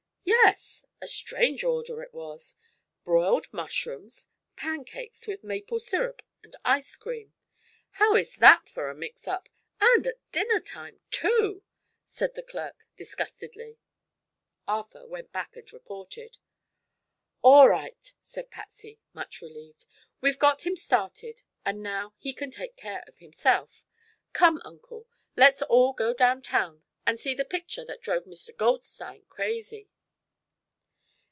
"Yes. A strange order it was! Broiled mushrooms, pancakes with maple syrup and ice cream. How is that for a mix up and at dinner time, too!" said the clerk, disgustedly. Arthur went back and reported. "All right," said Patsy, much relieved. "We've got him started and now he can take care of himself. Come, Uncle; let's all go down town and see the picture that drove Mr. Goldstein crazy."